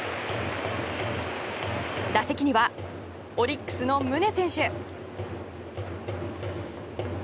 打席には、オリックスの宗選手。